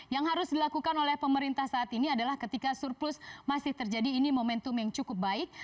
yang harus dilakukan oleh pemerintah saat ini adalah ketika surplus masih terjadi ini momentum yang cukup baik